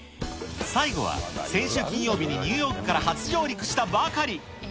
最後は、先週金曜日にニューヨークから初上陸したばかり。